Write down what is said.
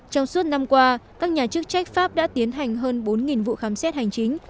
trong suốt năm qua các nhà chức trách pháp đã tiến hành hơn bốn vụ khám xét hành chính